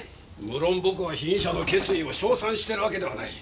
無論僕は被疑者の決意を賞賛してるわけではない。